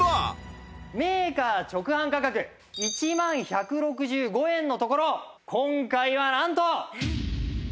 メーカー直販価格１万１６５円のところ今回はなんと。